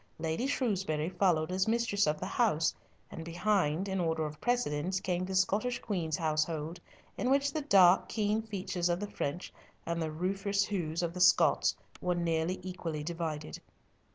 Lady Shrewsbury followed as mistress of the house, and behind, in order of precedence, came the Scottish Queen's household, in which the dark, keen features of the French, and the rufous hues of the Scots, were nearly equally divided.